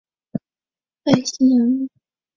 所有乘客数量均以千计。